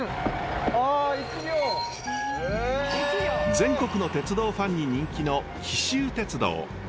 全国の鉄道ファンに人気の紀州鉄道。